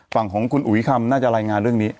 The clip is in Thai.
ฝั่งของคุณอุ๋ยคำน่าจะรายงานเรื่องนี้